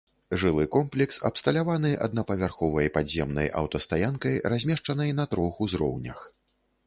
Жылы комплекс абсталяваны аднапавярховай падземнай аўтастаянкай, размешчанай на трох узроўнях.